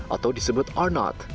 atau disebut r